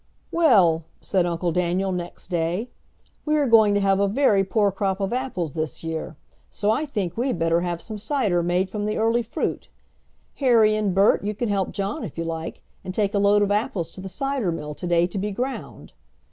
"Well," said Uncle Daniel next day, "we are going to have a very poor crop of apples this year, so I think we had better have some cider made from the early fruit. Harry and Bert, you can help John if you like, and take a load of apples to the cider mill to day to be ground."